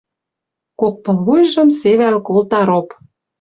Кок пылвуйжым севӓл колта роп.